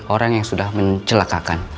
orang yang sudah mencelakakan